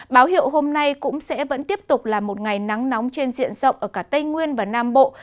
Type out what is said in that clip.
báo hiệu hôm nay cũng sẽ vẫn tiếp tục là một ngày nắng nóng trên diện rộng ở cả tây nguyên và nam bộ